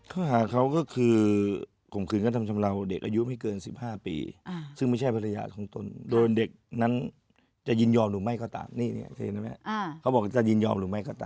ข้อหาเขาก็คือข่มขืนกระทำชำราวเด็กอายุไม่เกิน๑๕ปีซึ่งไม่ใช่ภรรยาของตนโดยเด็กนั้นจะยินยอมหรือไม่ก็ตามนี่เนี่ยโอเคนะแม่เขาบอกจะยินยอมหรือไม่ก็ตาม